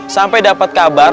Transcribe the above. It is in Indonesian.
sampai dapat kabar